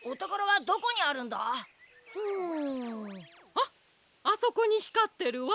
あっあそこにひかってるわ。